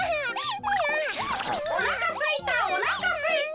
「おなかすいたおなかすいた！」。